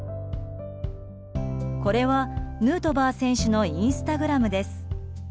これは、ヌートバー選手のインスタグラムです。